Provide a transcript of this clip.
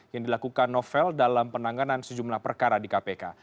yang dilakukan novel dalam penanganan sejumlah perkara di kpk